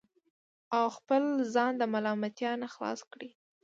او خپل ځان د ملامتیا نه خلاص کړي